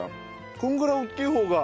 このぐらい大きい方が。